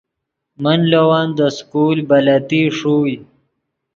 من لے ون دے سکول بلتی ݰوئے